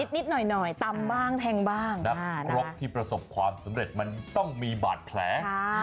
นิดหน่อยตำบ้างแทงบ้างนักรกที่ประสบความสำเร็จมันต้องมีบาดแผล